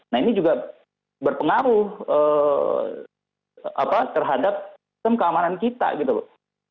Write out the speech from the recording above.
nah ini juga berpengaruh terhadap sistem keamanan kita gitu loh